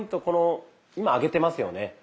この今上げてますよね。